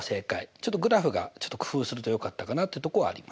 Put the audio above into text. ちょっとグラフが工夫するとよかったかなというとこはあります。